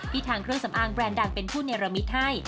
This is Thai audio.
ทางเครื่องสำอางแบรนด์ดังเป็นผู้เนรมิตให้